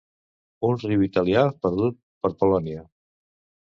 Un riu italià perdut per Polònia.